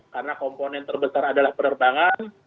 karena komponen terbesar adalah penerbangan